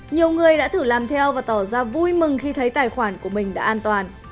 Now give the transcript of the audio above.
nhiều người đã thử làm theo và tỏ ra vui mừng khi thấy tài khoản của mình đã an toàn